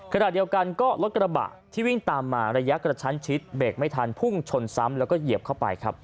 ขณะเดียวกันก็รถกระบะที่วิ่งตามมาระยะกระชั้นชิดเบรกไม่ทันพุ่งชนซ้ำแล้วก็เหยียบเข้าไปครับ